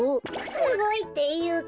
すごいっていうか。